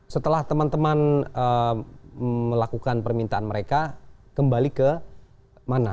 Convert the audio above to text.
setelah teman teman melakukan permintaan mereka kembali ke mana